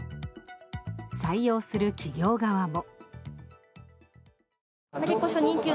採用する企業側も。